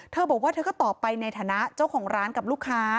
เธอบอกว่าเธอก็ตอบไปในฐานะเจ้าของร้านกับลูกค้า